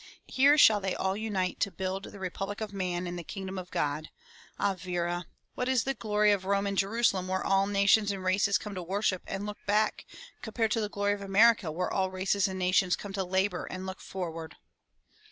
Here shall they all unite to build the Republic of Man and the Kingdom of God. Ah, Vera, what is the glory of Rome and Jerusalem where all nations and races come to worship and look back compared to the glory of America where all races and nations come to labor and look forward?''